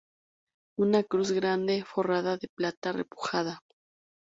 Una cruz grande forrada de plata repujada.